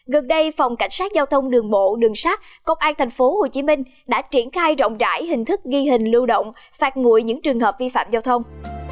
gần đây phòng cảnh sát giao thông đường bộ đường sát công an thành phố hồ chí minh đã triển khai rộng rãi hình thức ghi hình lưu động phạt nguội những trường hợp vi phạm giao thông